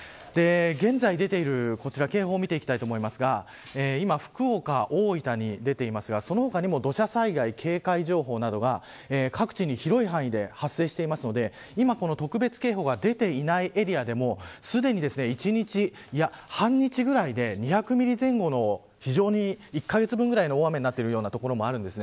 現在、出ているこちらの警報を見ていきたいと思いますが今、福岡、大分に出ていますがその他にも土砂災害警戒情報などが各地に広い範囲で発生しているので今、この特別警報が出ていないエリアでもすでに１日、半日ぐらいで２００ミリ前後の非常に、１カ月分ぐらいの大雨になってる所もあるんです。